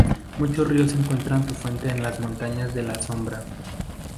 Muchos ríos encuentran su fuente en las Montañas de la Sombra.